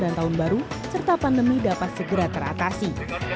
dan tahun baru serta pandemi dapat segera teratasi